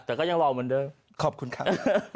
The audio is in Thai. แต่ก็ยังวางเหมือนเดิม